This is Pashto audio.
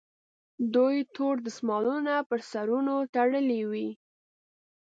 دوی تور دستمالونه پر سرونو تړلي وي.